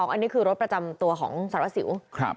อันนี้คือรถประจำตัวของสารวัสสิว